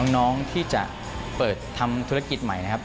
น้องที่จะเปิดทำธุรกิจใหม่นะครับ